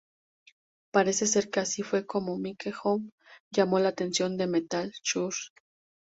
Parece ser que así fue como Mike Howe llamo la atención de Metal Church.